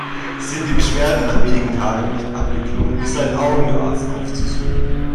Sind die Beschwerden nach wenigen Tagen nicht abgeklungen, ist ein Augenarzt aufzusuchen.